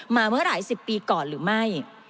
มาเมื่อหลายสิบปีก่อนหรือไม่